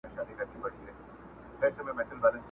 o د نغري غاړه له دښمنه ډکه ښه ده، نه له دوسته خالي!